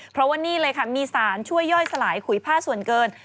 เพราะว่านี่เลยค่ะมีสารช่วยย่อยสลายขุยผ้าส่วนเกิน